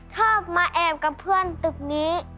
ชอบมาแอบกับเพื่อนตึกนี้